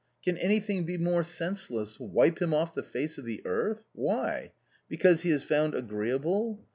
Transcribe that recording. Can anything be more senseless — wipe him off the face of the earth ! why ? because he is found agreeable